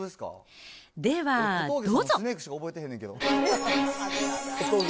ではどうぞ。